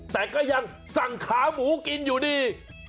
แต่ก็ยังสั่งขาหมูกินอยู่ดี